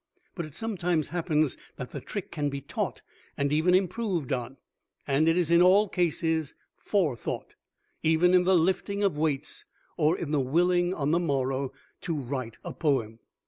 But it sometimes happens that the trick can be taught and even improved on. And it is in all cases Forethought, even in the lifting of weights or the willing on the morrow to write a poem.